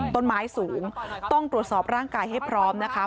ต้นไม้สูงต้องตรวจสอบร่างกายให้พร้อมนะคะ